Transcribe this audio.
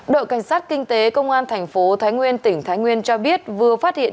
đội cảnh sát kinh tế công an tp thái nguyên tỉnh thái nguyên cho biết vừa phát hiện